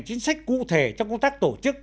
chính sách cụ thể trong công tác tổ chức